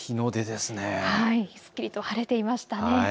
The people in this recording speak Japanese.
すっきりと晴れていました。